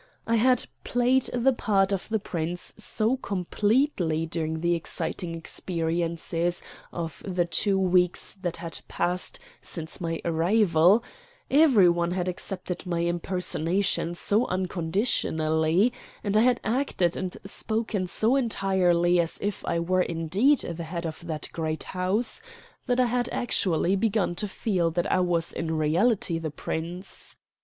I had played the part of the Prince so completely during the exciting experiences of the two weeks that had passed since my arrival, every one had accepted my impersonation so unconditionally, and I had acted and spoken so entirely as if I were indeed the head of that great house, that I had actually begun to feel that I was in reality the Prince.